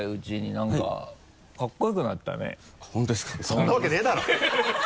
そんなわけねぇだろ！